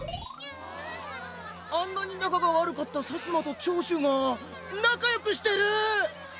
あんなになかがわるかった薩摩と長州がなかよくしてる！